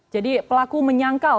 jadi pelaku menyangkal